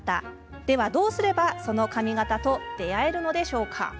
では、どうすればその髪形と出会えるのか？